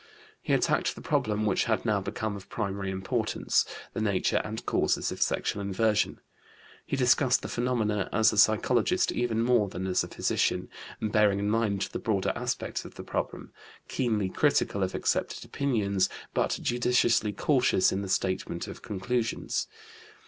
He attacked the problem which had now become of primary importance: the nature and causes of sexual inversion. He discussed the phenomena as a psychologist even more than as a physician, bearing in mind the broader aspects of the problem, keenly critical of accepted opinions, but judiciously cautious in the statement of conclusions.